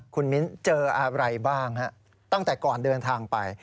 คุณมิ้นเจออะไรบ้างฮะตั้งแต่ก่อนเดินทางไป